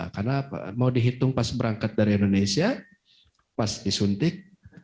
karena mau dihitung pas berangkat dari indonesia pas disuntik